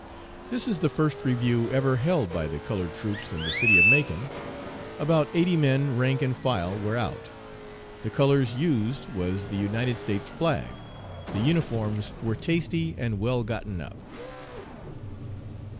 "This is the first review ever held by the colored troops in the city of Macon. About eighty men rank and file were out. The colors used was the United States flag. The uniforms were tasty and well gotten up."